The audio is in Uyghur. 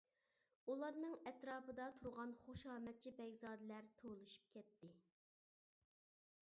ئۇلارنىڭ ئەتراپىدا تۇرغان خۇشامەتچى بەگزادىلەر توۋلىشىپ كەتتى.